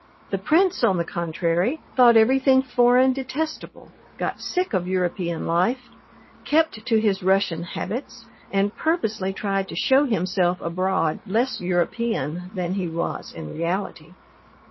The prince, on the contrary, thought everything foreign detestable, got sick of European life, kept to his Russian habits, and purposely tried to show himself abroad less European than he was in reality.